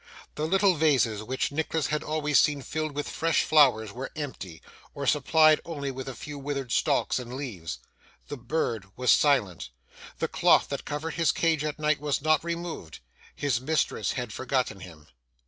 The little vases which Nicholas had always seen filled with fresh flowers were empty, or supplied only with a few withered stalks and leaves. The bird was silent. The cloth that covered his cage at night was not removed. His mistress had forgotten him.